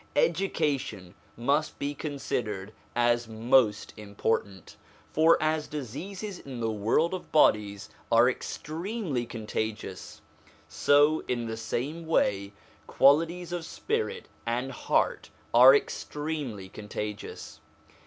\Education must be considered as most important ; for as diseases in the world of bodies are extremely con tagious, so, in the same way, qualities of spirit and heart are extremely contagious.